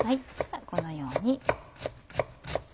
このように。